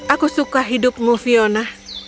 aku suka hidupmu fiona